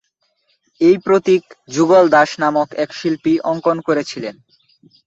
এই প্রতীক যুগল দাস নামক এক শিল্পী অঙ্কন করেছিলেন।